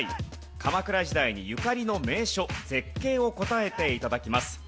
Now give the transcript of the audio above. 鎌倉時代にゆかりの名所・絶景を答えて頂きます。